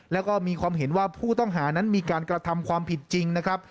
แล้วก็มีความเห็นว่าผู้ต้องหานั้นมีการกระทำความผิดจริงนะครับ